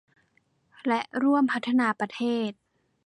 และร่วมพัฒนาประเทศ